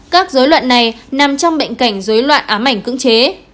các dối loạn này nằm trong bệnh cảnh dối loạn ám ảnh cưỡng chế